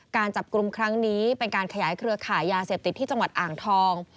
การจับกลุ่มครั้งนี้เป็นการขยายเครือขายยาเสพติดที่จังหวัดอ่างทอง